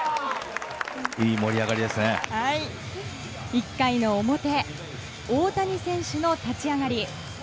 １回の表大谷選手の立ち上がり。